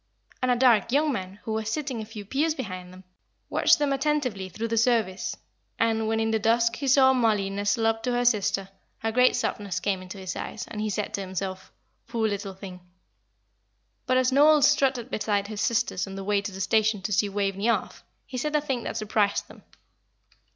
And a dark young man, who was sitting a few pews behind them, watched them attentively through the service; and, when, in the dusk, he saw Mollie nestle up to her sister, a great softness came into his eyes, and he said to himself, "Poor little thing!" But as Noel strutted beside his sisters on the way to the station to see Waveney off, he said a thing that surprised them.